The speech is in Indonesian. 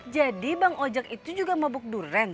jadi bang ojek itu juga mabuk duren